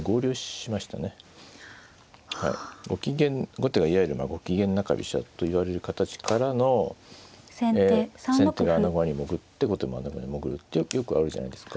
後手がいわゆるゴキゲン中飛車といわれる形からのええ先手が穴熊に潜って後手も穴熊に潜るってよくあるじゃないですか。